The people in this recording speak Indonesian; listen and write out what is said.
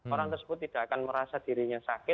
orang tersebut tidak akan merasa dirinya sakit